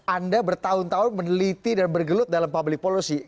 anda bertahun tahun meneliti dan bergelut dalam public policy